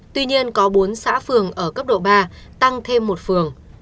tuy nhiên có bốn xã phường ở cấp độ ba tăng thêm một phường